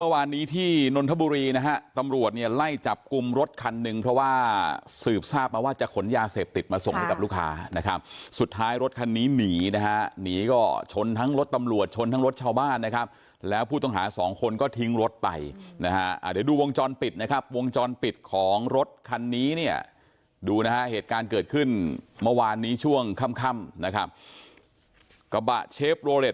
เมื่อวานนี้ที่นนทบุรีนะฮะตำรวจเนี่ยไล่จับกุมรถคันนึงเพราะว่าสืบทราบมาว่าจะขนยาเสพติดมาส่งกับลูกค้านะครับสุดท้ายรถคันนี้หนีนะฮะหนีก็ชนทั้งรถตำรวจชนทั้งรถชาวบ้านนะครับแล้วผู้ต้องหาสองคนก็ทิ้งรถไปนะฮะอ่าเดี๋ยวดูวงจรปิดนะครับวงจรปิดของรถคันนี้เนี่ยดูนะฮะเหตุการณ์เ